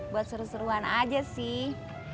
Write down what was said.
buat seru seruan aja sih